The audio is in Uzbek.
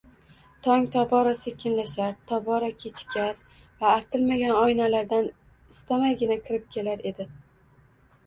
Tong tobora sekinlashar, tobora kechikar va artilmagan oynalardan istamaygina kirib kelar edi.